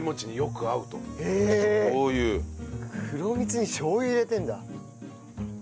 黒蜜にしょう油入れてるんだ。